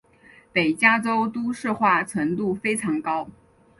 北加州都市化程度非常高。